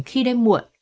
khi đêm muộn